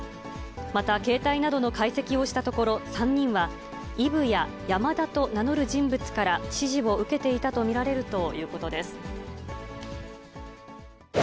また、携帯などの解析をしたところ、３人は、イブやヤマダと名乗る人物から指示を受けていたと見られるということです。